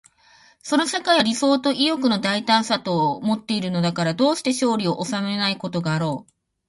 その社会は理想と意欲の大胆さとをもっているのだから、どうして勝利を収めないことがあろう。